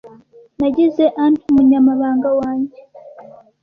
Nagize Ann umunyamabanga wanjye.